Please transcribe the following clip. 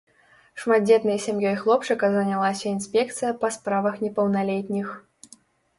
Шматдзетнай сям'ёй хлопчыка занялася інспекцыя па справах непаўналетніх.